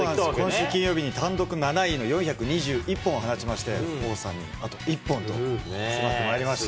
今週金曜日に単独７位の４２１本を放ちまして、王さんにあと１本と迫ってまいりました。